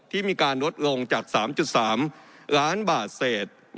ที่มีการลดลงจาก๓๓ล้านบาทเศษ